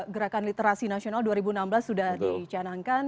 gerakan literasi nasional dua ribu enam belas sudah dicanangkan